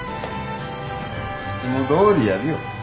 いつもどおりやるよ。